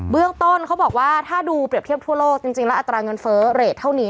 เรื่องต้นเขาบอกว่าถ้าดูเปรียบเทียบทั่วโลกจริงแล้วอัตราเงินเฟ้อเรทเท่านี้